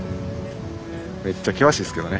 めっちゃ険しいですけどね。